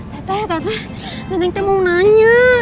teteh teteh neng te mau nanya